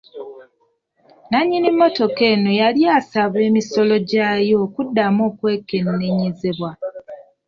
Nnannyini mmotoka eno yali yasaba emisolo gyayo okuddamu okwekenneenyezebwa.